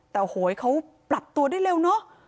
แต่โหยเขาปรับตัวได้เร็วเนอะ